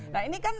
nah ini kan